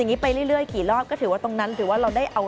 อย่างนี้ไปเรื่อยกี่รอบก็ถือว่าตรงนั้นถือว่าเราได้เอา